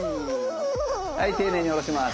はい丁寧に下ろします。